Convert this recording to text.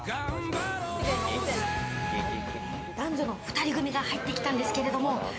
男女の２人組が入ってきたんですけれども。